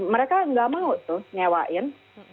mereka nggak mau tuh nyewain